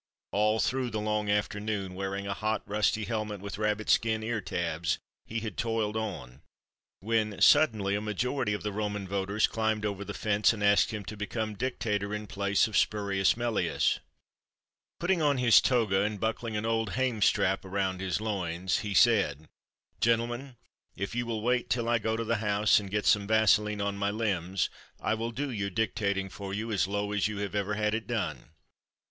All through the long afternoon, wearing a hot, rusty helmet with rabbit skin ear tabs he had toiled on, when suddenly a majority of the Roman voters climbed over the fence and asked him to become dictator in place of Spurious Melius. Putting on his toga and buckling an old hame strap around his loins he said: "Gentlemen, if you will wait till I go to the house and get some vaseline on my limbs I will do your dictating for you as low as you have ever had it done."